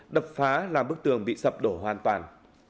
đập phá làm bức tường bị sập đổ hoàn toàn